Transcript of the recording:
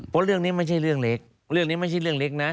เพราะเรื่องนี้ไม่ใช่เรื่องเล็กเรื่องนี้ไม่ใช่เรื่องเล็กนะ